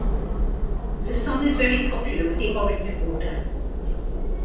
The song is very popular with the Orange Order.